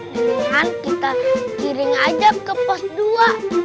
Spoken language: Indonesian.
pilihan kita kirim aja ke pos dua